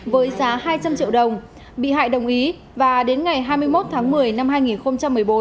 với giá hai trăm linh triệu đồng bị hại đồng ý và đến ngày hai mươi một tháng một mươi năm hai nghìn một mươi bốn